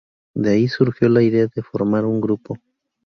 De ahí surgió la idea de formar un grupo.